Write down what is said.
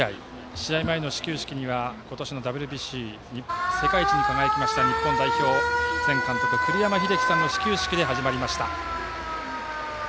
試合前の始球式には今年のＷＢＣ世界一に輝きました日本代表前監督栗山英樹さんの始球式で始まりました。